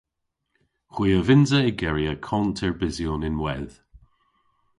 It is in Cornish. Hwi a vynnsa ygeri akont erbysyon ynwedh.